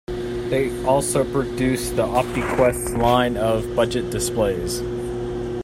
They also produce the Optiquest line of budget displays.